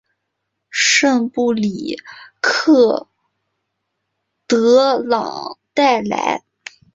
圣布里克德朗代莱。